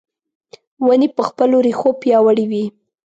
ونې په خپلو رېښو پیاوړې وي .